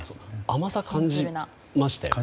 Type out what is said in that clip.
甘さは感じましたよね。